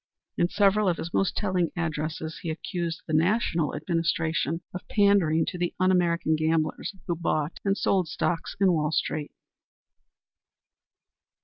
In several of his most telling addresses he accused the national administration of pandering to the un American gamblers who bought and sold stocks in Wall street.